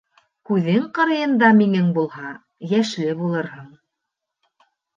Күҙең ҡырыйында миңең булһа, йәшле булырһың.